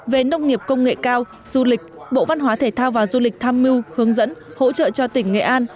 về nông nghiệp công nghệ cao du lịch bộ văn hóa thể thao và du lịch tham mưu hướng dẫn hỗ trợ cho tỉnh nghệ an